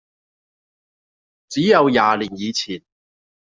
只有廿年以前，